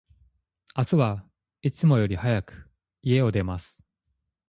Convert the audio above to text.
明日は、いつもより早く、家を出ます。